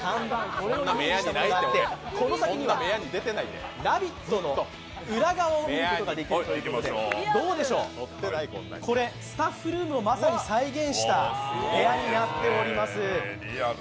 これをイメージしたものがあって、この先には「ラヴィット！」の裏側を見ることができるということで、どうでしょう、これ、スタッフルームをまさに再現した部屋になっております。